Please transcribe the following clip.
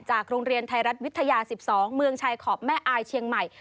โรงเรียนไทยรัฐวิทยา๑๒เมืองชายขอบแม่อายเชียงใหม่